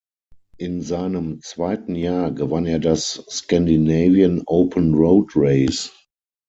In seinem zweiten Jahr gewann er das Scandinavian Open Road Race.